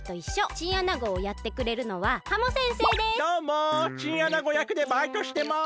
チンアナゴやくでバイトしてます。